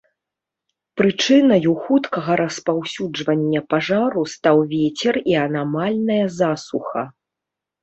Прычынаю хуткага распаўсюджвання пажару стаў вецер і анамальная засуха.